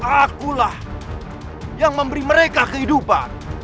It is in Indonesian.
akulah yang memberi mereka kehidupan